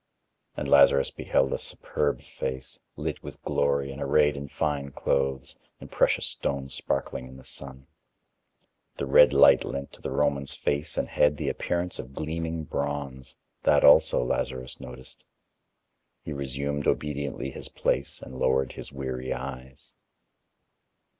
And Lazarus beheld a superb face, lit with glory, and arrayed in fine clothes, and precious stones sparkling in the sun. The red light lent to the Roman's face and head the appearance of gleaming bronze that also Lazarus noticed. He resumed obediently his place and lowered his weary eyes.